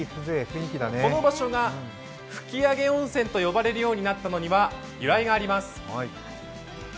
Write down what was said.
この場所が吹上温泉と呼ばれるようになったのには由来があります。